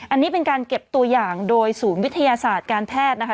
อันนี้เป็นการเก็บตัวอย่างโดยศูนย์วิทยาศาสตร์การแพทย์นะคะ